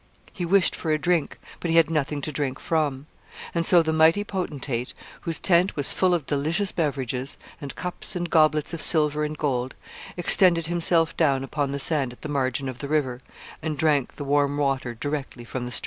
He wished for a drink, but he had nothing to drink from. And so the mighty potentate, whose tent was full of delicious beverages, and cups and goblets of silver and gold, extended himself down upon the sand at the margin of the river, and drank the warm water directly from the stream.